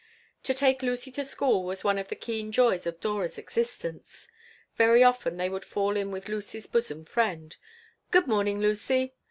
To take Lucy to school was one of the keen joys of Dora's existence. Very often they would fall in with Lucy's bosom friend "Good morning, Lucy."